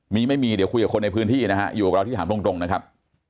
มีไม่มีเดี๋ยวคุยกับคนในพื้นที่นะฮะอยู่กับเราที่ถามตรงนะครับ